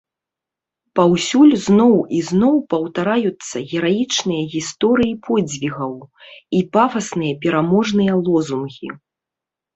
Паўсюль зноў і зноў паўтараюцца гераічныя гісторыі подзвігаў і пафасныя пераможныя лозунгі.